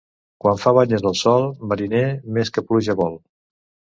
Quan fa banyes el sol, mariner, més que pluja vol.